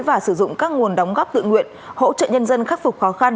và sử dụng các nguồn đóng góp tự nguyện hỗ trợ nhân dân khắc phục khó khăn